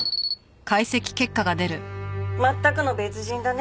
全くの別人だね。